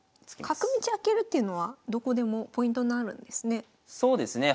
角道開けるっていうのはどこでもポイントになるんですね。